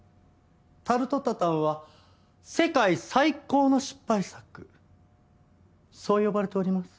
タルトタタンは「世界最高の失敗作」そう呼ばれております。